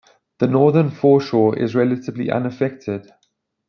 The northern foreshore is relatively unaffected.